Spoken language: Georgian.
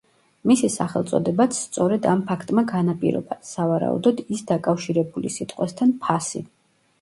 მისი სახელწოდებაც სწორედ ამ ფაქტმა განაპირობა, სავარაუდოდ ის დაკავშირებული სიტყვასთან „ფასი“.